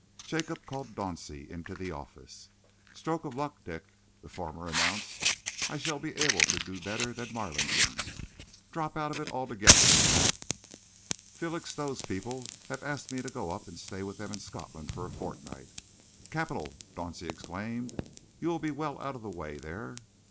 Jacob called Dauncey into the office. "Stroke of luck, Dick," the former announced. "I shall be able to do better than Marlingden drop out of it altogether, in fact. Felixstowe's people have asked me to go up and stay with them in Scotland for a fortnight." "Capital!" Dauncey exclaimed. "You'll be well out of the way there."